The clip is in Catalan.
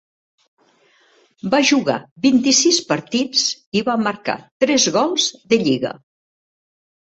Va jugar vint-i-sis partits i va marcar tres gols de lliga.